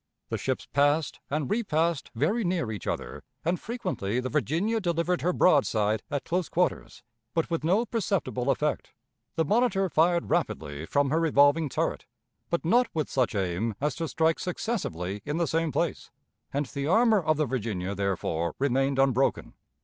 The ships passed and repassed very near each other, and frequently the Virginia delivered her broadside at close quarters, but with no perceptible effect. The Monitor fired rapidly from her revolving turret, but not with such aim as to strike successively in the same place, and the armor of the Virginia, therefore, remained unbroken.